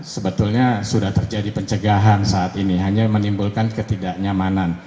sebetulnya sudah terjadi pencegahan saat ini hanya menimbulkan ketidaknyamanan